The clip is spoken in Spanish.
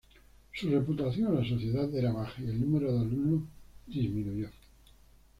Su reputación en la sociedad era baja y el número de alumnos disminuyó.